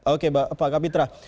oke pak kapitra